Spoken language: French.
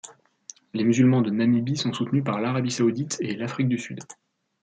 Les musulmans de Namibie sont soutenus par l'Arabie saoudite et l'Afrique du Sud.